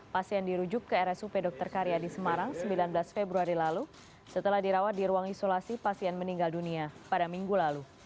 pasien dirujuk ke rsup dr karyadi semarang sembilan belas februari lalu setelah dirawat di ruang isolasi pasien meninggal dunia pada minggu lalu